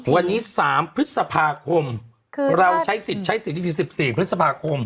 วันนี้๓พฤษภาคมเราใช้สิทธิ๑๔พฤษภาคม